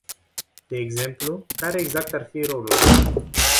De exemplu, care exact ar fi rolul?